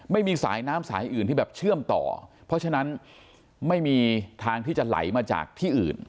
ไม่มีสายน้ำสายอื่นที่แบบเชื่อมต่อเพราะฉะนั้นไม่มีทางที่จะไหลมาจากที่อื่น